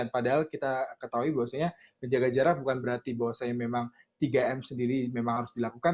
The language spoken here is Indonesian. padahal kita ketahui bahwasanya menjaga jarak bukan berarti bahwasanya memang tiga m sendiri memang harus dilakukan